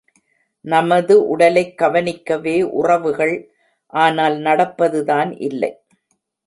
நமது உடலைக் கவனிக்கவே உறவுகள் ஆனால் நடப்பதுதான் இல்லை.